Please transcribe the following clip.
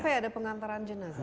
sampai ada pengantaran jenazah